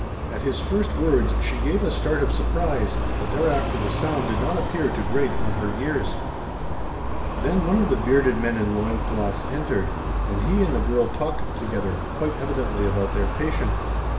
At his first words she gave a start of surprise, but thereafter the sound did not appear to grate on her ears. Then one of the bearded men in loin cloths entered, and he and the girl talked together, quite evidently about their patient.